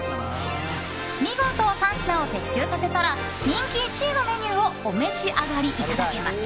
見事３品を的中させたら人気１位のメニューをお召し上がりいただけます。